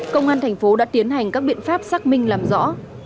công an thành phố đã tiến hành các biện pháp xác minh làm rõ